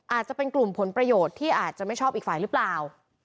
อาจจะเป็นกลุ่มผลประโยชน์ที่อาจจะไม่ชอบอีกฝ่ายหรือเปล่า